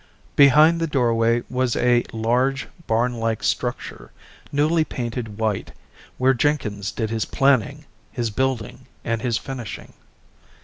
Behind the doorway was a large barnlike structure, newly painted white, where Jenkins did his planning, his building, and his finishing.